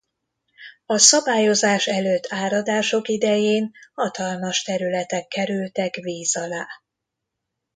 A szabályozás előtt áradások idején hatalmas területek kerültek víz alá.